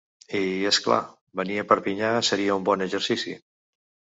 I, és clar, venir a Perpinyà seria un bon exercici!